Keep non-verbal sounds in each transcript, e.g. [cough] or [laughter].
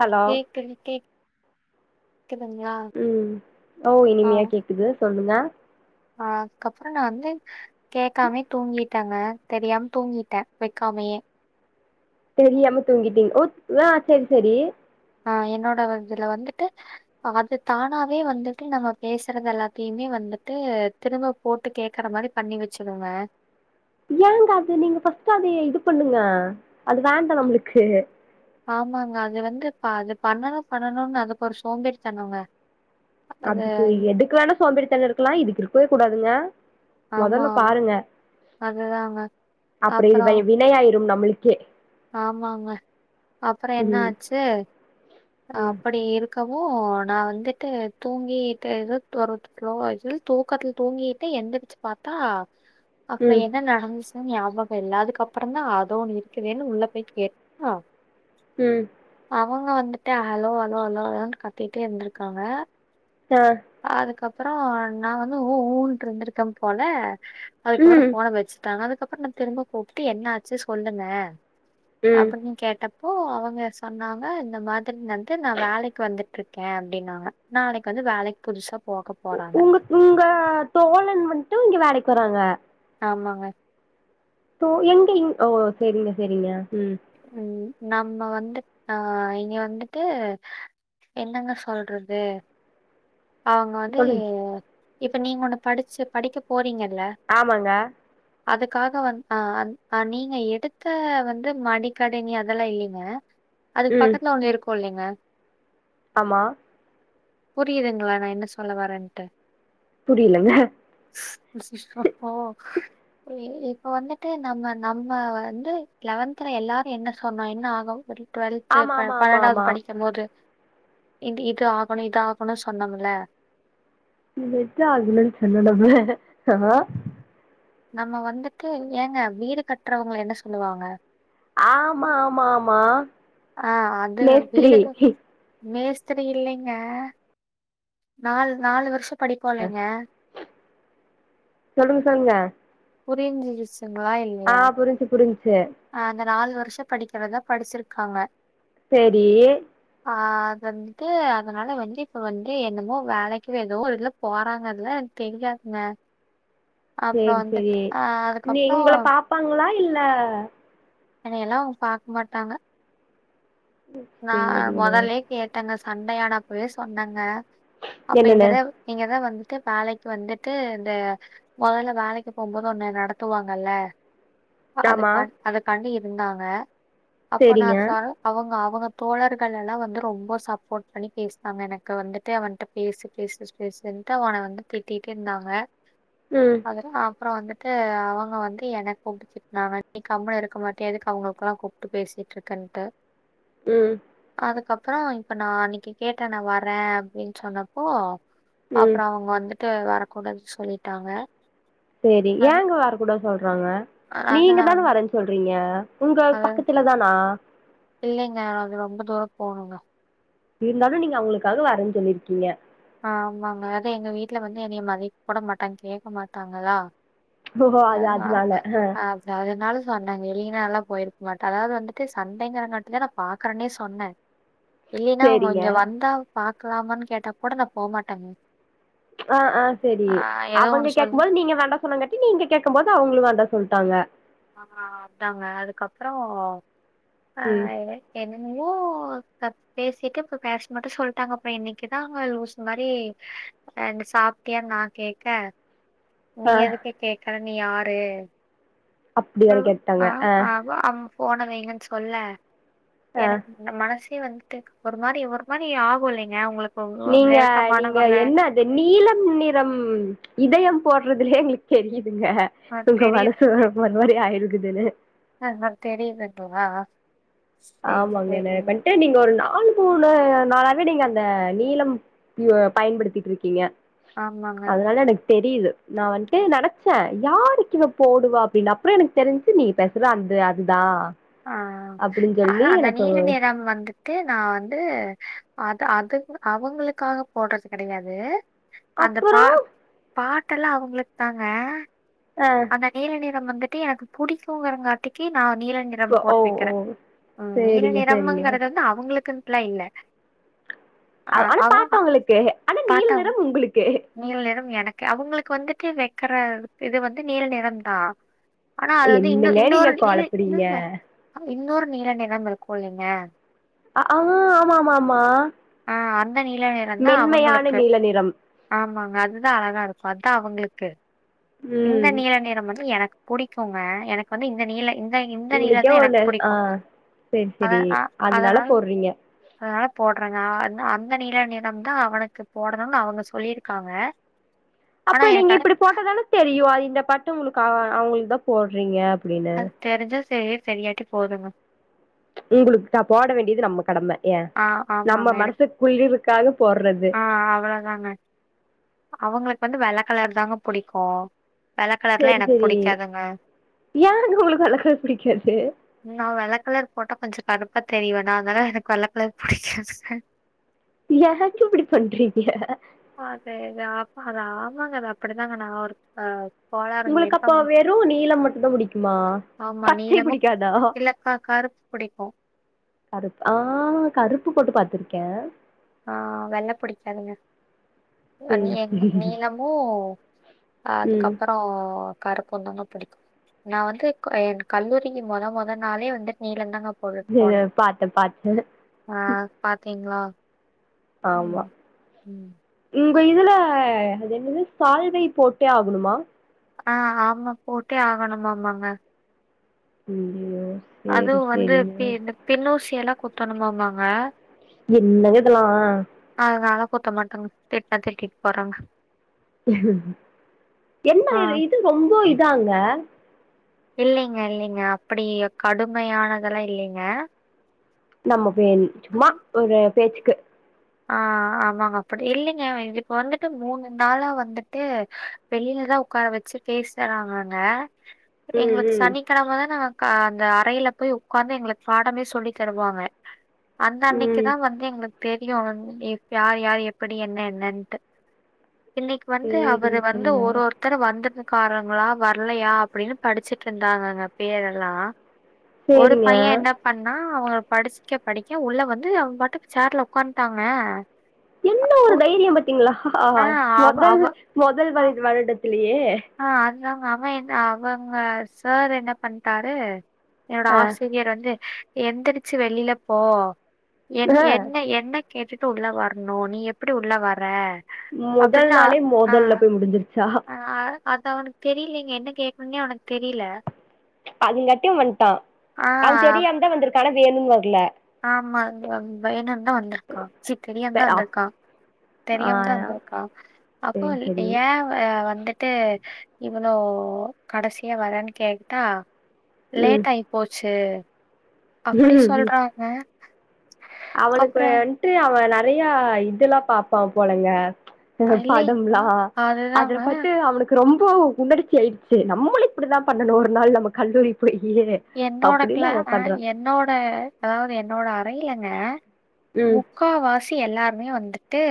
Hello கேக்குது கேக் உம் ஓ இனிமையா கேக்குது சொல்லுங்க அஹ் அதுக்கப்றோ நா வந்து கேக்காமே தூங்கிட் டாங்க தெரியாம தூங்கிட்டே வைக்காமயே தெரியாம தூங்கிட்டீங்க ஓ ஆஹ செரி செரி ஆஹ் என்னோட [unintelligible] வந்துட்டு அது தானாவே வந்துட்டு நம்ம பேசுறது எல்லாத்தையுமே வந்துட்டு திரும்ப போட்டு கேக்குற மாரி பண்ணி வச்சிதுங்க ஏங்க அது நீங்க ஃபஸ்ட்டு அதய இது பண்ணுங்க அது வேண்டா நம்மளுக்கு ஆமாங்க அது வந்து பா அது பண்ணணும் பண்ணணும்னு அதுக்கு ஒரு சோம்பேறி தானங்க அதுக்கு எதுக்கு வேணா சோம்பேறித்தன இருக்கலா இதுக்கு இருக்கவே கூடாதுங்க ஆமா முதல்ல பாருங்க அதுதாங்க. அப்றம் அப்புறம் இது வினைய ஆயிரும் நம்ளுக் கே ஆமாங்க அப்றம் என்ன ம் ஆச்சு ம் அப்டி இருக்க ஓ நா வந்துட்டு தூங்கிட்டு எதோ ஐ ஃபீல் தூக்கத்துல தூங்கிட்டு எந்துருச்சி பாத்தா அப்றோ ம் என்ன நடந்துச் ஞாபகம் இல்லதுக்கு அப்றோ தா அதோ ஒன்னு இருக்தே ன்னு உள்ள போய் கேட்டா உம் அவங்க வந்துட்டு ஹலோ ஹலோ ஹலோ ஹலோன்னு கத்திட்டே இருந்திருக்காங்க [unintelligible] றோ நா வந்து ஊம் ஊன்னுட்டு இருந்திருக்கே போல அதுக்கப்ரோ ம் ஃபோன வச்சுட்டாங்க அதுக்கப்ரோ ண்ண திரும்ப கூப்ட்டு என்ன ஆச்சி சொல்லுங்க ம் அப்ப நீ கேட்டப் அப்போ அவங்க சொன்னாங்க இந்த மாதிரி வந்து நா வேலைக்கு வந்துட்ருக்க அப்டின்னாங்க நாளைக்கு வந்து வேலைக் புதுசாப் உங்க உங்க தோழன் வன்ட்டு இங்க வேலைக் க்குறாங்க ஆமாங்க சோ எங்கிங் ஓ செரிங்க செரிங்க ம் ம். நம்ம வந்து ஆஹ் இங்க வந்திட்டு என்னங்க சொல்றது அவங்க வந்து ஏ சொல்லுங்க இப்ப நீங்க ஒண்ணு படிச்சி படிக்க போறீங்க ஆமாங்க அதுக்காக வந் அஹ நீங்க எடுக்க வந்து மடி கடை நீ அதெல்லா இல்லீங்க அதுக்கு ம் பக்கத்துல ஒண்ணு இருக்குலிங்க ஆமா புரியுதுங்களா நா என்ன சொல்ல வரேன்ட்டு புரியலங்க [unintelligible] இப்ப வந்துட்டு நம்ம நம்ம வந்து லெவன்தல எல்லா என்ன சொன்னா என்ன ஆகோ தெரியில டுவெல்த்து ஆமா ப ஆமா ஆமா பணென்டாவது ஆமா படிக்க போது இது இது ஆகணு இது ஆகணு சொன்னோம் இல்ல நீட்ட ஆகலன்னு சொன்னடம ஆஹ் நம்ம வந்துட்டு ஏங்க வீடு கட்றவங்கல என்ன சொல்லுவாங்க ஆமா ஆமா ஆமா ஆ அது மேஸ்திரி [unintelligible] மேஸ் த்திரி இல்லிங்க நாலு நாலு வருஷத் படிபோ லைங்க சொல்லுங்க சொல்லுங்க புரிச்சிரிச் ஆ புரிஞ்சி புரிஞ்சி நாலு வருஷ படிக்கிறத படிச்சிருக்காங்க சேரி ஆ அது வந்துட்டு அதனால வந்து இப்ப வந்து என்னமோ வேலைக்கு எதோ இதுல போறாங்கல்ல தெரியாதுங்க அப்ரோ வந்து யே நீ இவ்ங்கள பாப்பாங்களா இல்ல ல்ல அதயெல்லா அவ்ங்க பாக்க மாட்டாங்க நா சரிங்க மொதல்யே கேட்டங்க சண்டையான அப்பவே சொன்னங்க அப்ப என்னன்னு இங்கதா இங்கதா வந்து ட்டு வேலைக்கு வந்துட்டு இந்த மொதல்ல வேலைக்கு போம்போது ஒண்ணு நடத்துவாங்கல்ல [unintelligible] அத ஆமா பண் அதக்கண்ணீர் இருந்தாங்க அப்ப நா சரிங்க சரோ அவ்ங்க தோழர்கள் எல்லாம் வந்து ரொம்ப சப்போர்ட் பண்ணி பேசினாங்க எனக்கு வந்துட்டு அவன்ட்ட பேசு பேசு பேசுண்ட்டு அவன வந்து திட்டிட்டு இருந்தாங்க ம் அகரா ஆ அப்றோ வந்துட்டு அவங்க வந்து எனக் கூப்ட்டு திட்னாக நீ கம்முனு இருக்க மாட்டிய எதுக்கு அவங்களுக்கெல்லா கூப்ட்டு பேசிட்டு இருக்கன்ட்டு ம் அதுக்கப்பறோ இப்ப நா அன்னைக்கு கேட்டே நா வரேன் அப்டின்னு சொன்னப்போ ம் அப்பற அவங்க வந்து க்கு வரக்கூடாது சொல்லிட்டாங்க செரி அது ஏங்க வர கூடாது றாங்க அது நீங்க தான நான் வரேன்னு சொல்றீங்க உங்க அது பக்கத்துல தானா இல்லைங்க அது ரொம்ப தூர போணுங்க இருந்தாலு நீங்க அவங்களுக்காக வரேன் சொல்லிருக்கீங்க ஆஹ் ஆமாங்க அது எங்க வீட்டுல வந்து என்னிய மதிக்கூட மாட்டாக கேட்க மாட்டாங்களா ஓஹோ ஆ அது அ அதனால ஆ அத அதனால சொன்னாங்க வெளிய நால்லா போயிருக்கமாட்டே அதாவது வந்துட்டு சண்டைங்கரங்காட்டுதா நா பாக்குறனே சொன்னே இல்லின்னா அவுங் சேரிங்க கொஞ்ச வந்தா பாக்கலாமனு கேட்டா கூட நா போமாட்டங்க ஆஹ் ஆஹ் சரி அவங்க சொல்லி கேக்கபோது நீங்க வேண்டா சொன்னாங்கட்டி நீங்க கேட்க போது அவங்களு வேண்டா சொல்டாங்க ஆஹ் அதாங்க அதுக்கப்ரோ ஆஹ் ஏ எனக் ஓ க பேசிட்டு இப்ப பேச மாட்டே சொல்ட்டாங்க அப்பற இன்னைக்குதாங்க லூஸ் மாதிரி் சாப்ட்டியா நா கேக்க நீ ஆ எதுக்கு கேக்க கழனி ஆறு அப்டியானு கேட்டங்க ஆஹ் போன வெய்கண் சொல்லே ஆ எனக் இந் மனசு எ வந்துடு ஒரு மாரி ஒரு மாரி ஆகு இல்லைங்க உங்ளுக் நீங்க நீங்க என்ன அது நீளம் நிறம் இதயம் போடுறதுலே எங்ளுக் தெரியு ங்க அ உங்க மனசு ஒரு மாரி ஆயிரு க்குதுனு ஆஹ்ஹ் தெரியுது இப்போதா ஆமாங்க எனய கண்ட்டு நீங்க ஒரு நா ஆாலு மூணு நாளாவே நீங்க அந்த நீளம் பயன்படுத்திட்ருக்கீங்க ஆமாங்க தெரிய்து நா வந்ட்டு நெனச்ச யாருக்கிவ போடுவா அப்டினு அப்றொ எனக்கு தெரிஞ்சு நீ பேசுற அந்த அதுதா ஆஹ் அப்டின்னு அத சொல்லி அந்த எனக்கு நீல நிற வந்துட்டு நா வந்து அது அது அவங்களுகாக போடுறது கெடயாது அப்பறொ பாட்டெல்லா அவுங்ளுக்தாங்க ஆ அந்த நீல நிற நம் வந்துட்டி எனக்கு புடிக்குங்கறங்காட்டிகி நா நீல நிறம் ஓ ஓ போட்டுவைக்கிறே அஹ் நீல சேரிங்க சேரிங்க நிறம்ங்கறது அவங்களுக்குன் ப்ளைன்ல அவ் ஆனா பாத்த உங்ளுகு ஆனா நீல நிறம் உங்ளுகு நீல் நிறம் எனக் க்கு அவங்ளுகு வந்துட்டு வெக்ற இது வந்து நீல நிறந்தா என்னங்க நீங்க கொளப்ரீங்க இருங்க இன்னொரு நீல நிறம் இருக்கு இல்லைங்க அஹ்ஹா ஆமா ஆமா ஆமா ஆ அந்த நீல நிறம் தா மென்மையான அவங்களுக்கு நீள நிறம் ஆமாங்க அதுதா அழகா இருக் அத்தா அவுங்ளுக்கு இந்த ம் நீள நிறம் வந்து எனக் புடிகுங்க எனக்கு வந்து இந்த நீல இந் உங்ளுகே [unintelligible] ஆஹ் சேர் அத செரி அ அதனால போட்றீங்க றாங்க அ அந் அந்த நீல நிறம்தா அவனுக்கு போடணும்னு அவங்க சொல்லியிருக்காங்க ஆனா அப்ப நீங்க எனக்கு அது இப்படி போட்டாதால தெரியும் அது இந்த பட்டம் உங்களுக்கு அவ் அவங்களுக்கு தா போடுறீங்க அப்டின்னு அது தெரிஞ்சாஷ் சரி சரியாட்டி போதுங்க உங்களுக்கு நா போட வேண்டியது நம்ம கடமை ஏன் ஆ ஆமாங்க நம்ம எனக்கு மனசு குழிவுக்காக போட்றது ஆ அவ்வளோதாங்க. அவங்களுக்கு வந்து வெள கலர் தாங்க புடிக்கு வெள்ள கலர்லா சேரி எனக்கு சேரி புடிக்காதுங்க ஏங்க உங்களுக்கு வெள்ளக்கலர் பிடிக்காது நா வெள்ள கலர் போட்டா கொஞ்ச கருப்பா தெரிவேனா அதனால எனக்கு வெள்ள கலர் புடிக்காதுங்க ஏங்க இப்டி பண்றீங்க அதே தாப்பா அது ஆமாங்க அது அப்படிதாங்க நா ஒரு பா உங்களுக்கு அப்ப வெறு நீளம் மட்டுந்தா புடிக்குமா ஆமா பச்சை நீளமும் பிடிக்காதா இல்ல க கருப்பு புடிக்கும். கருப்பு ஆஹ் கருப் கருப்பு போட்டு பாத்துருக்கே ஆஹ் வெள்ள புடிக்காதுங்க நீ சேரி சேரி நீலமூ ம் அதுக்கப்பறோ கருப்பந்தாங்க பிடிக்கும் நான் வந்து என் கல்லூரிக்கு மொதல் மொதல் நாளே வந்து நீலந்தாங்க போட்டு சேரி போணே பாத்தே பாத்தே ஆஹ் பாத்தீங்களா ஆமா ம் ம் உங்க இதுல அது என்னது சால்வை போட்டே ஆகணுமா ஆஹ் ஆமா போட்டே ஆகணுமாமாங்க [unintelligible] அதுவும் வந்து சேரிங்க இந்த பின்னூசியலா குத்தணு மாமாங்க என்னங்க இதலா நாலாம் குத்த மாட்டாங்க திட்டனா திட்டிட்டு போறாங்க என்ன ஆ இது இது ரொம்ப இதாங்க இல்லைங்க இல்லைங்க அப்டி கடுமையானதெல்லாம் இல்லைங்க நமக் சும்மா ஒரு பேச்சுக்கு ஆஹ் ஆமாங்க அப்டி இல்லைங்க இப்ப வந்துட்டு மூணு நாளா வந்துட்டு வெளிலதான் உட்கார வச்சு பேசுறாங்கங்க எங்களுக்கு ம் சனிக்கெழமதான் நா அ அந்த அறையில போய் உட்காந்து எங்களுக்கு பாடமே சொல்லி தருவாங்க அந்த ம் அன்னைக்கு ம் தான் வந்து எங்களுக் தெரியு யார் யார் எப்படி என்ன என்னன்ட்டு இன்னிக் வந்து சேரிங்க அவரு வந்து சரிங்க ஒருரொத்தர வந்து க்காரங்களா வர்லையா அப்டின்னு படிச்சிட்ருந்தாங்கங்க பேர் எல்லா ஒரு சேரிங்க பையன் என்னாப் பண்ணா அவ்ங்க படிஸ்க்கே படிக் க உள்ள வந்து அவ்ம்பாட்டுக் சேர்ல உக்கான்ட்டாங்க என்ன ஒரு தைரியம் பாத்திங்ளா ஆ ஆஹ் அவ மொதல் அவ மொதல் வய்து வருடத்துல யே தான் அவன் என்ன அவங்க சார் என்ன பண்ட்டாரு என்னோட ஆ ஆசிரியர் வந்து எந்திரிச்சு வெளிலப் போ என் ஆ என்ன என்ன கேட்டுட்டு உள்ள வர்ணு நீ எப்டி உள்ள வர முதல் அப்படின்னு அ- நாளே மோதல்ல போய் முடிஞ்சிருச்சா அத்தவ்னுக்கு தெரிலிங்க என்ன கேக்குன்னே அவ்னுக் தெரில அதுங்காட்டே வன்ட்டே அவே தெரியாம தா வந்திருக் கட வேணுன் வர்ல ஆம்மாங் வந்தெ வேணுன்தா வந்திருக்கா ப சிக்கடியுந்தா அப் வந்திருக்கா ஆ தெரியாம தா வந்திருக்கா அப்போ சேரி ல் சேரி ஏ ஆ வந்திட் ட்டு இவ்வளோ கடசியா வரேன்னு கேக்ட்டா ம் லேட் ஆய் போச்சு அப்டி சொல்றாங்க அவளுக்கு அப்புறம் வன்ட்டு அவ நா நறையா இதுதெல்லாப் பாப்பா போலைங்க இந்த அஹ் இல்லைங்க படம்லா அதிரு அதுதாங்க பத்தி அவ்ளுக்கு ரொம்போ உணர்ச்சி ஆய்ட்ச்சு நம்முளூ இப்டிதா பண்ணணு ஒரு நாள் நம்ம கல்லூரி போய் என்னோட க்ளா ஆ என்னோட அதாவ்து என்னோட அக் மைலங்க ம் முக்கா வாசி எல்லாருமே வந்திட் ட்டு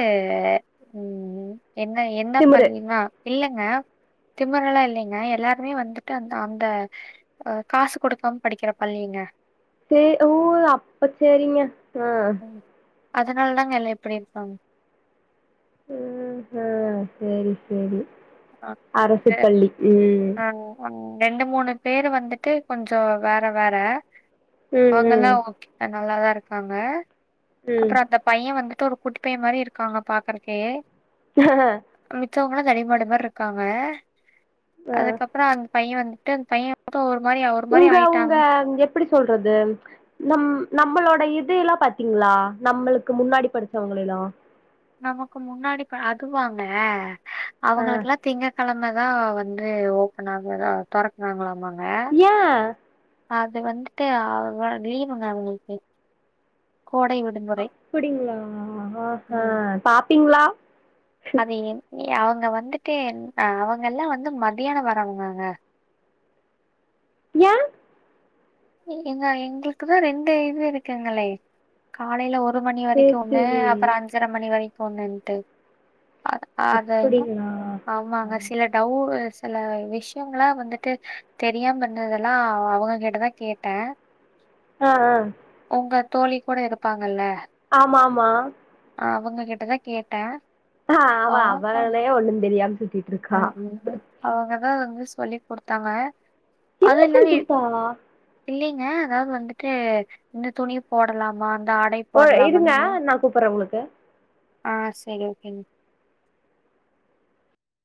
ம் என்ன என்னப் திமிரு பள்ளி மா இல்ல ஆ திமுறல்லா இல்லிங்க எல்லாருமே வந்துட்டு அந்த அந்த அ காஸ்ஸுப் குடுக்காம படிக்ற பள்ளீங்க சேர் ஓ அப்ப சேரிங்க உம் அதனால் தாங்க எல்லா இப்டி இருக்காங்க உம் ஆ செரி செரி அது அரசுப்பள்ளி உம் ரெண்டு மூணு பேரு வந்திட்டு கொஞ்சோ வேற வேற ம் அவங்கல்லா ம் ஓகே நா நல்லாதா ருக்காங்க ம் அப்றோ அந்த பைய வந்து து ஒரு குட்டிப்பைய மாரி இருக்காங்க பாக்றக்கே தூங்ன்னா தடிமாடு மாரி ருக் க்காங்க ஆ அதுக்கப்றோ அந்த பைய்ய வந்து கா அந்த பைய்ய எப்பக்கா வரூ உங்க உங்க எப்புடி சொல்றது நம் நம்மளோட இதுயெல்லா பாத்தீங்ளா நம்மளுக்கு முன்னாடி படிச்சவங்கள எல்லா நமக்கு முன்னாடி ப அதுவாங்க ஆ அவங்களுக்கெல்லா திங்க கெழம அத வந்து ஓப்பன் ஆகுத தொறக்ராங்களாமாங் ஏ அது வந்துட்டு அவுங்க லீவுங்க அவுங்களுக்கு அப்படிங்ளா ஆஹஹ ம். சாப் டிங்ளா அது என் ஏ எ அவுங்க வந்துட்டு ஆ அவுங்க எல்லா வந்து மத்தியானோ வர்ரவங்க அங்க ஏ நீங் எங்க எங்களுக்குதா ரெண்டு இது இருக்குங்களே காலைல ஒ ஒரு மணி வரைக்கு சேரி ஒண்ணு சேரி அப்புறோ அஞ்சர மணி வரைக் [unintelligible] அத ஆதாய்னு அப்படிங்களா ஆமாங்க சில டவ்வு சில விஷ்யங்களா வந்துட்டு தெரியாம பண்ணதெல்லா அ அவுங்க கிட்டதா கேட்டே ஆஹ் ஆஹ் உங்க தோழி கூட இருப்பாங்கல்ல ஆமா ஆமா அவுங்க கிட்டதா கேட்டே ஆஹ் அவ அவளே ஒண்ணு தெரியாம சுத்திட்டு இருக்கா அதே தா அவுங்கதா வந்து சொல்லி் குடுத்தாங்க அது என்ன சொல்லி என்னது [unintelligible] குடுத்தா இல்லி ங்க அதாவ்து வந்துட்டு இந்த துணிய போடலாமா அந் ஒ இருங்க நா கூப்புறே உங்களுக் கு ஆஹ் செரி ஓகேங்